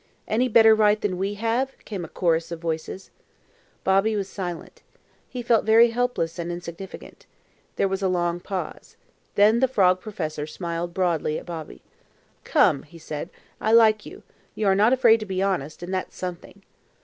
"Any better right than we have?" came a chorus of voices. Bobby was silent. He felt very helpless and insignificant. There was a long pause. Then the frog professor smiled broadly at Bobby. "Come," he said; "I like you. You are not afraid to be honest, and that's something."